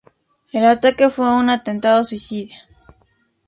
El ataque fue un atentado suicida.